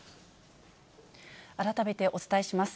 改めてお伝えします。